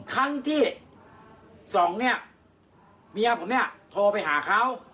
ครั้งที่๒เนี่ยเมียผมเนี่ยโทรไปหาเขา